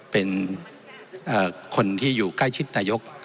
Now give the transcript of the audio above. เป็นคนที่อยู่ใกล้ชิดนายก